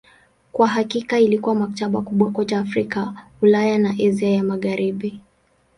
Kwa hakika ilikuwa maktaba kubwa kote Afrika, Ulaya na Asia ya Magharibi.